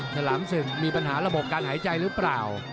ฉลามศึกมีปัญหาระบบการหายใจหรือเปล่า